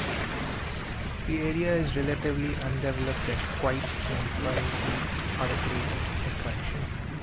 The area is relatively undeveloped and quiet and privacy are a great attraction.